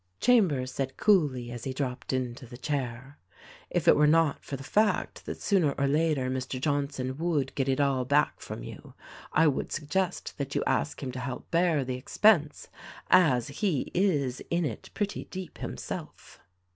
Chambers said coolly, as he dropped into the chair, "If it were not for the fact that sooner or later Mr. Johnson would get it all back from you, I would suggest that you ask him to help bear the expense, as he is in it pretty deep himself."